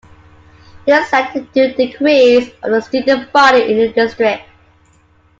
This led to the decrease of the student body in the district.